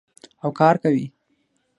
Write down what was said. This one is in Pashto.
او کار کوي.